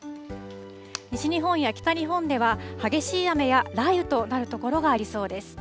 西日本や北日本では激しい雨や雷雨となる所がありそうです。